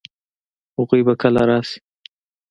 هغوی به کله راشي؟